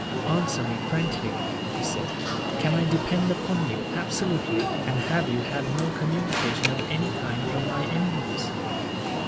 "Answer me frankly," he said. "Can I depend upon you, absolutely? And have you had no communication of any kind from my enemies?"